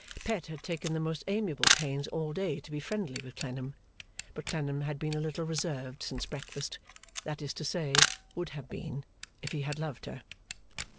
Pet had taken the most amiable pains all day to be friendly with Clennam, but Clennam had been a little reserved since breakfast that is to say, would have been, if he had loved her.